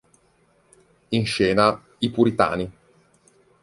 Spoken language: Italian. In scena "I puritani".